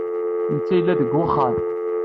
Netta yella deg wexxam.